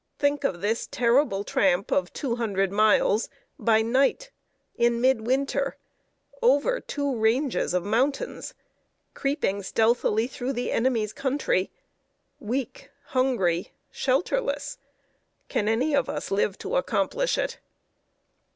Think of this terrible tramp of two hundred miles, by night, in mid winter, over two ranges of mountains, creeping stealthily through the enemy's country, weak, hungry, shelterless! Can any of us live to accomplish it?"